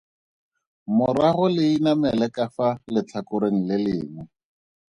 Morago le inamele ka fa letlhakoreng le lengwe.